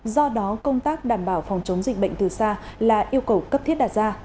do đó công tác đảm bảo phòng chống dịch bệnh từ xa là yêu cầu cấp thiết đặt ra